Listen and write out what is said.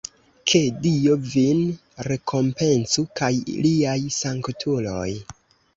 Ke Dio vin rekompencu kaj liaj sanktuloj!